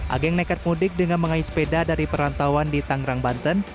ageng nekat mudik dengan mengayuh sepeda dari perantauan di tangerang banten